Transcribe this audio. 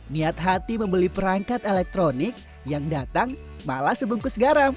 niat hati membeli perangkat elektronik yang datang malah sebungkus garam